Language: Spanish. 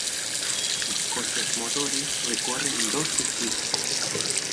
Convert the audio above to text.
Sus coches motores recorren dos circuitos.